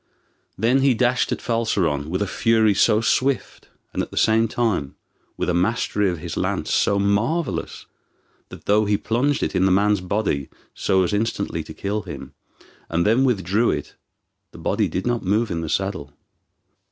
Then he dashed at Falseron with a fury so swift, and at the same time with a mastery of his lance so marvellous, that, though he plunged it in the man's body so as instantly to kill him, and then withdrew it, the body did not move in the saddle.